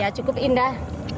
ya cukup indah